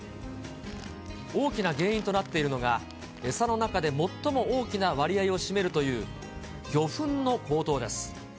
大きな原因となっているのが、餌の中で最も大きな割合を占めるという、魚粉の高騰です。